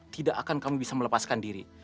tidak akan kami bisa melepaskan diri